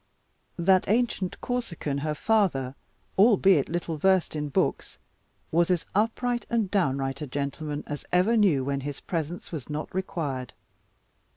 That ancient Corsican her father, albeit little versed in books, was as upright and downright a gentleman as ever knew when his presence was not required.